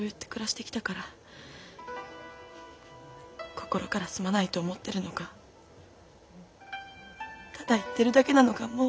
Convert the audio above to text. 心からすまないと思ってるのかただ言ってるだけなのかもう。